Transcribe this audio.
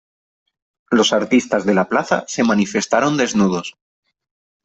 Los artistas de la plaza se manifestaron desnudos.